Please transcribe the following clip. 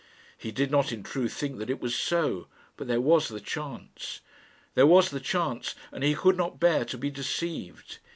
He did not, in truth, think that it was so, but there was the chance. There was the chance, and he could not bear to be deceived.